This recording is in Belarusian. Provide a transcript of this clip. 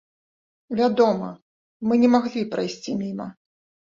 Вядома, мы не маглі прайсці міма!